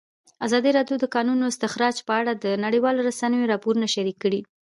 ازادي راډیو د د کانونو استخراج په اړه د نړیوالو رسنیو راپورونه شریک کړي.